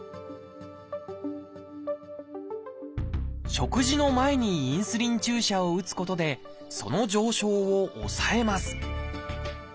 食事の前にインスリン注射を打つことでその上昇を抑えます。